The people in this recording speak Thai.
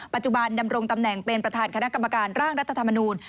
ปัจจุบันดำรงตำแหน่งเป็นประธานคณะกรรมการร่างรัฐธรรมนูล